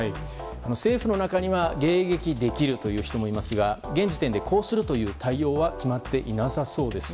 政府の中には迎撃できるという人もいますが現時点でこうするという対応は決まっていなさそうです。